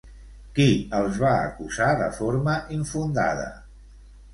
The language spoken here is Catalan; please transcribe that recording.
Qui els va acusar de forma infundada?